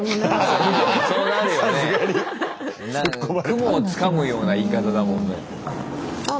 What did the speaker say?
雲をつかむような言い方だもんね。